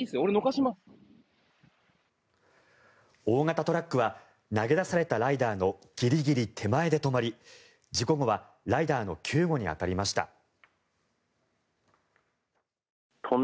大型トラックは投げ出されたライダーのギリギリ手前で止まり、事故後はライダーの救護に当たりました。